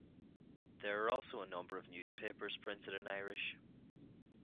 There are also a number of newspapers printed in Irish.